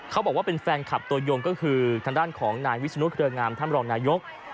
เขาบอกว่าเป็นแฟนคลับตัวยงก็คือทางด้านของนายวิศนุเครืองามท่านรองนายก